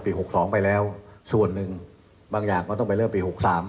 ปี๖๑การ๑๙๖๐ไปแล้วส่วนนึงบางอย่างก็ต้องไปเริ่มปี๖๓